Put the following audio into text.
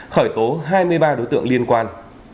khởi tố hai mươi ba đối tượng liên quan